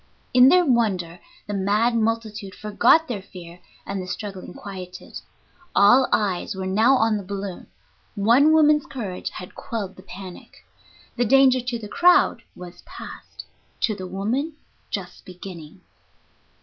In their wonder the mad multitude forgot their fear, and the struggling quieted. All eyes were now on the balloon; one woman's courage had quelled the panic. The danger to the crowd was past, to the woman just beginning.